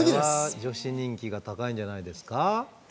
女子人気が高いじゃないですか。